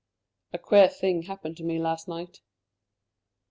"A queer thing happened to me last night."